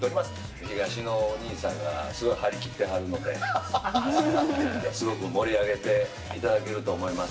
東野兄さんがすごい張り切ってはるので、すごく盛り上げていただけると思います。